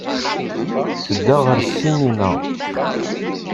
Tedda ɣer ssinima.